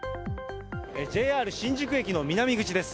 ＪＲ新宿駅の南口です。